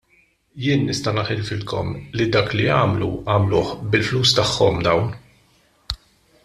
Jien nista' naħilfilkom li dak li għamlu għamluh bil-flus tagħhom dawn.